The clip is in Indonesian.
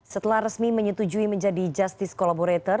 setelah resmi menyetujui menjadi justice collaborator